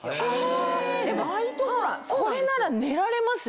これなら寝られますよね！